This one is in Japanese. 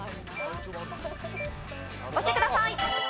押してください。